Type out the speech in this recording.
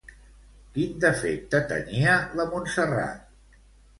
Quin defecte tenia, la Montserrat?